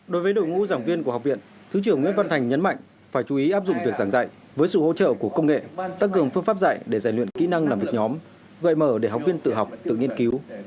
đối với đội ngũ giảng viên của học viện thứ trưởng nguyễn văn thành nhấn mạnh phải chú ý áp dụng việc giảng dạy với sự hỗ trợ của công nghệ tăng cường phương pháp dạy để giải luyện kỹ năng làm việc nhóm gợi mở để học viên tự học tự nghiên cứu